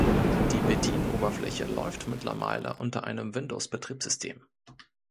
Die Bedienoberfläche läuft mittlerweile unter einem Windows-Betriebssystem.